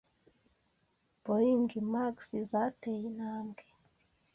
Boeing Max zateye intambwe